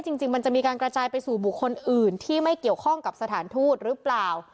จริงมันจะมีการกระจายไปสู่บุคคลอื่นที่ไม่เกี่ยวข้องกับสถานทูตหรือเปล่า